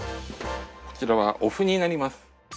こちらはお麩になります。